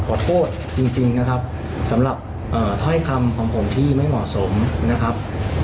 ขอโทษจริงนะครับสำหรับถ้อยคำของผมที่ไม่เหมาะสมนะครับ